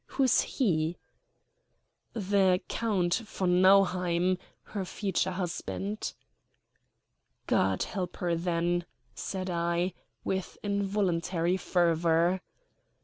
Who is he?" "The Count von Nauheim, her future husband." "God help her, then," said I, with involuntary fervor.